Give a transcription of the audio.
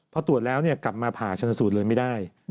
พอตรวจแล้วกลับมาผ่าชนสูตรเลยไม่ได้